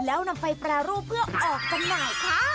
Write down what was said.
แล้วนำไปแปรรูปเพื่อออกจำหน่ายค่ะ